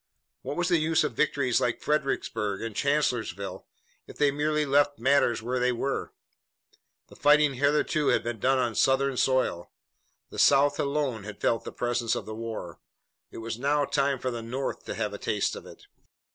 What was the use of victories like Fredericksburg and Chancellorsville, if they merely left matters where they were? The fighting hitherto had been done on Southern soil. The South alone had felt the presence of war. It was now time for the North to have a taste of it.